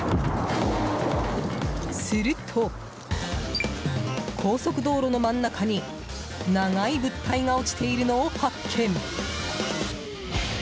すると、高速道路の真ん中に長い物体が落ちているのを発見。